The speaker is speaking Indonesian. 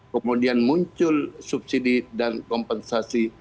kemudian muncul subsidi dan kompensasi